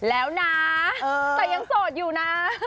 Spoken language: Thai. แล้วนะแต่ยังโสดอยู่นะ